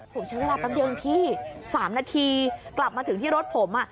โหฉันลาตั้งเดียวพี่๓นาทีกลับมาถึงที่รถผม